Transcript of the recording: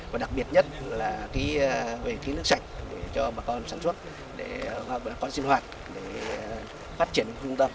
và đặc biệt nhất là về ký nước sạch cho bà con sản xuất để bà con sinh hoạt để phát triển khu dân huyện